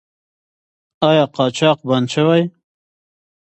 آیا قاچاق بند شوی؟